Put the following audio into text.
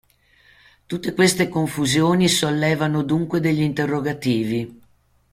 Tutte queste "confusioni" sollevano dunque degli interrogativi.